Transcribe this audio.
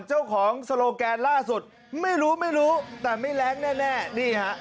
เจ้าของสโลแกนล่าสุดไม่รู้ไม่รู้แต่ไม่แรงแน่แน่นี่ฮะ